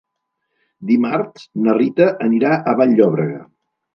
Dimarts na Rita anirà a Vall-llobrega.